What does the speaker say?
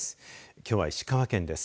きょうは石川県です。